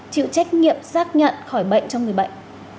chịu trách nhiệm xác nhận khỏi bệnh cho người bệnh